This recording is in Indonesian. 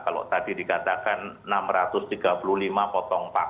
kalau tadi dikatakan enam ratus tiga puluh lima potong pak